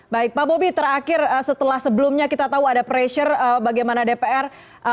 baik pak bobi terakhir setelah sebelumnya kita tahu ada pressure bagaimana dpr